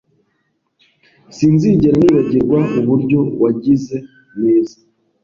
Sinzigera nibagirwa uburyo wagize neza